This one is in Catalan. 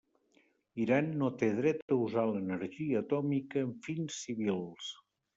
Iran no té dret a usar l'energia atòmica amb fins civils.